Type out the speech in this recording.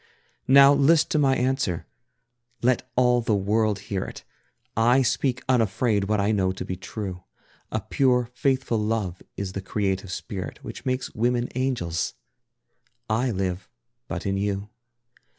Now list to my answer; let all the world hear it, I speak unafraid what I know to be true: A pure, faithful love is the creative spirit Which makes women angels! I live but in you.